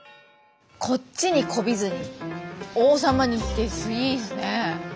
こっちに媚びずに王様にいいですね。